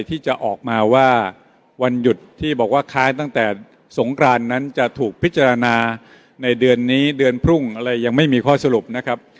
ที่จะออกมาว่าวันหยุดที่บอกว่าค้านตั้งแต่สงกรานนั้นจะถูกพิจารณาในเดือนนี้เดือนพรุ่งอะไรยังไม่มีข้อสรุปนะครับ